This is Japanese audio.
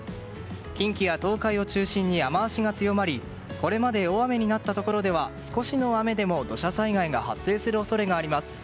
近畿や東海を中心に雨脚が強まりこれまで大雨になったところでは少しの雨でも土砂災害が発生する恐れがあります。